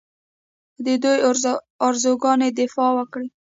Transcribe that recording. د دوی ارزوګانو دفاع وکړي